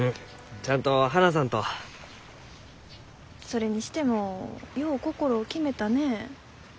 それにしてもよう心を決めたね。